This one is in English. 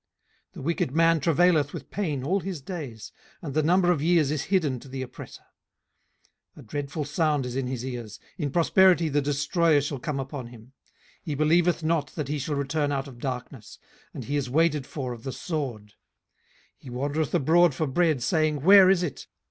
18:015:020 The wicked man travaileth with pain all his days, and the number of years is hidden to the oppressor. 18:015:021 A dreadful sound is in his ears: in prosperity the destroyer shall come upon him. 18:015:022 He believeth not that he shall return out of darkness, and he is waited for of the sword. 18:015:023 He wandereth abroad for bread, saying, Where is it?